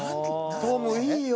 トムいいよ。